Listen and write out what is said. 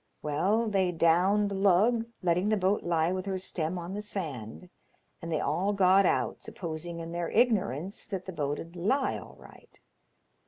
Well, they downed lug, letting the boat lie with her stem on the sand, and they all got out, supposing in their ignorance that the boat 'ud lie all right.